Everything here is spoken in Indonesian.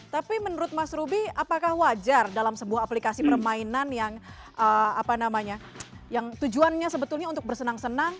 tapi menurut mas ruby apakah wajar dalam sebuah aplikasi permainan yang tujuannya sebetulnya untuk bersenang senang